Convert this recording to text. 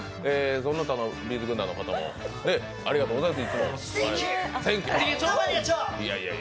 その他のＢ’ず軍団の方もありがとうございます。